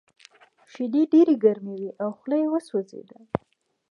شیدې ډېرې ګرمې وې او خوله یې وسوځېده